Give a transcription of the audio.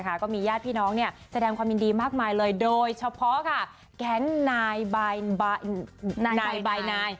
แล้วก็มีญาติพี่น้องแสดงความยินดีมากมายโดยเฉพาะแกงท์นาย